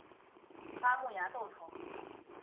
巴莫崖豆藤